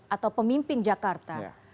atau pemimpin jakarta